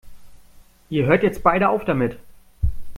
Ihr hört jetzt beide auf damit!